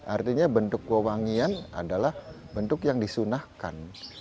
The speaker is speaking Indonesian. artinya bentuk kewangian adalah bentuk yang disunahkan